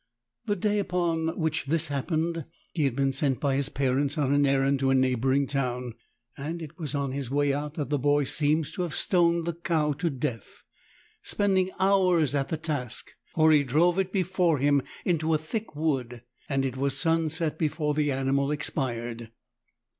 The day upon which this happened he had been sent by his parents on an errand to a neighboring town, and it was on his way out that the boy seems to have stoned the cow to death — spending hours at the task, for he drove it before him into a thick wood and it was sunset before the animal expired.